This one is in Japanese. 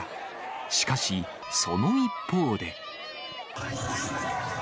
しかし、その一方で。